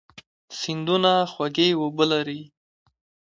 سیندونه خوږې اوبه لري.